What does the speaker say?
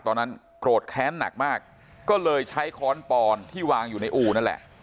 ตอนนั้นโกรธแค้นหนักมากก็เลยใช้ค้อนปอนที่วางอยู่ในอู่นั่นแหละ